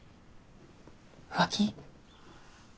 浮気？